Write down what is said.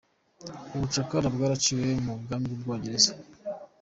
Ubucakara bwaraciwe mu bwami bw’ubwongereza.